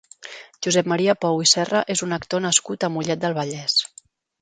Josep Maria Pou i Serra és un actor nascut a Mollet del Vallès.